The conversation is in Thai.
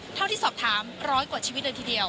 เท่าที่สอบถามร้อยกว่าชีวิตเลยทีเดียว